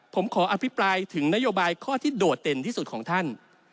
ผมขออภิปรายถึงนโยบายข้อที่โดดเด่นที่สุดของท่าน